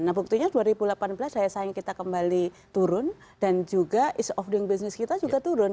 nah buktinya dua ribu delapan belas daya saing kita kembali turun dan juga is of doing business kita juga turun